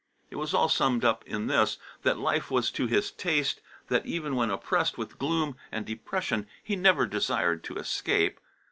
It was all summed up in this, that life was to his taste, that even when oppressed with gloom and depression, he never desired to escape.